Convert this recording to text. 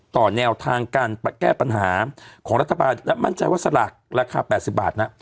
แนวทางการแก้ปัญหาของรัฐบาลและมั่นใจว่าสลากราคา๘๐บาทนะ